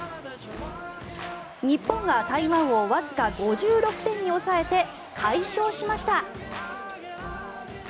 日本が台湾をわずか５６点に抑えて快勝しました。